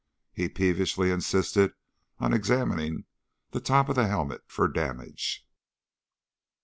He peevishly insisted on examining the top of the helmet for damage.